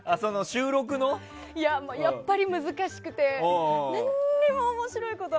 やっぱり難しくて何も面白いこと。